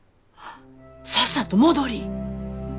さっさと戻りい。